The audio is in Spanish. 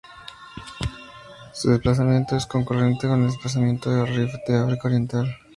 Su desplazamiento es concurrente con el desplazamiento del Rift de África Oriental.